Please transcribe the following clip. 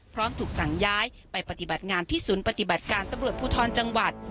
พร้อมถูกสั่งย้ายไปปฏิบัติงานที่ศูนย์ปฏิบัติการตำรวจภูทรจังหวัด